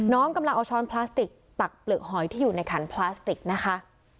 กำลังเอาช้อนพลาสติกตักเปลือกหอยที่อยู่ในขันพลาสติกนะคะ